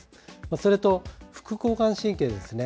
それと、副交感神経ですね。